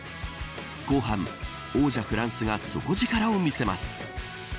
後半、王者フランスが底力を見せます。